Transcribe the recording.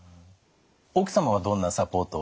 奥様はどんなサポートを？